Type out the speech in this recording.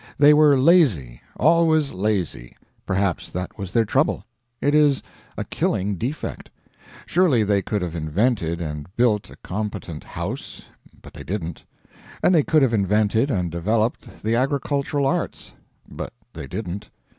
They were lazy always lazy. Perhaps that was their trouble. It is a killing defect. Surely they could have invented and built a competent house, but they didn't. And they could have invented and developed the agricultural arts, but they didn't.